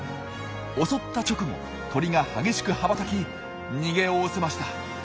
襲った直後鳥が激しく羽ばたき逃げおおせました。